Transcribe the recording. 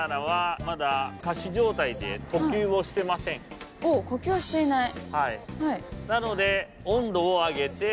入ったおっ呼吸をしていない。